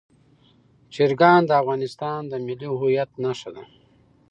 چرګان د افغانستان د ملي هویت نښه ده.